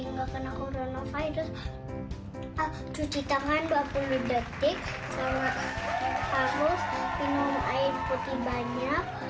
nggak kena coronavirus cuci tangan dua puluh detik sama harus minum air putih banyak